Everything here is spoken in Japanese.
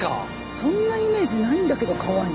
そんなイメージないんだけど革に。